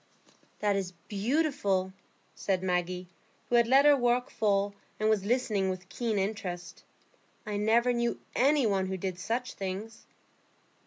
"That is beautiful," said Maggie, who had let her work fall, and was listening with keen interest. "I never knew any one who did such things."